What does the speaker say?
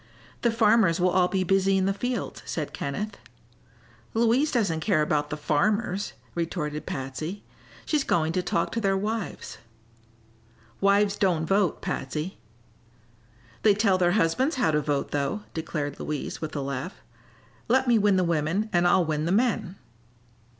"The farmers will all be busy in the fields," said Kenneth. "Louise doesn't care about the farmers," retorted Patsy. "She's going to talk to their wives." "Wives don't vote, Patsy." "They tell their husbands how to vote, though," declared Louise, with a laugh. "Let me win the women and I'll win the men."